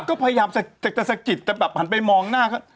ก็พยายามสะพาตราหันไปมองหน้า